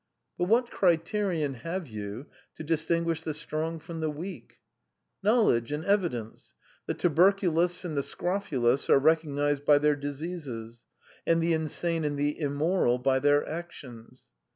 "But what criterion have you to distinguish the strong from the weak?" "Knowledge and evidence. The tuberculous and the scrofulous are recognised by their diseases, and the insane and the immoral by their actions."